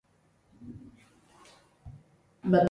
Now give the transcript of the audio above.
I have always been fascinated by the ocean and its inhabitants.